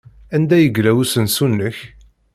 Anda yella usensu-nnek?